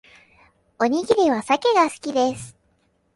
おにぎりはサケが好きです